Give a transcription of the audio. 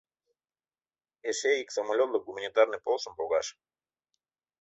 Эше ик самолётлык гуманитарный полышым погаш.